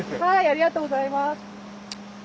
ありがとうございます。